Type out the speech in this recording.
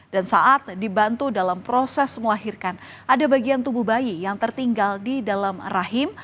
dan saat dibantu dalam proses melahirkan ada bagian tubuh bayi yang tertinggal di dalam rahim